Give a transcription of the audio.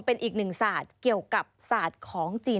เป็นอีกหนึ่งศาสตร์เกี่ยวกับศาสตร์ของจีน